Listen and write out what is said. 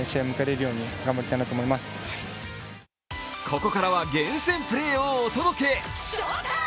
ここからは厳選プレーをお届け。